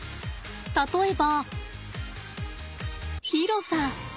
例えば。広さ。